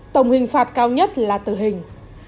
tổng hình phạt cao nhất là tử hình